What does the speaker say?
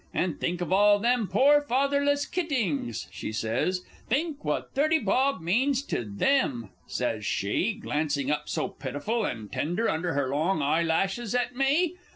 And think of all them pore fatherless kittings," she says; "think what thirty bob means to them!" says she, glancing up so pitiful and tender under her long eyelashes at me.